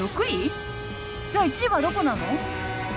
じゃあ１位はどこなの？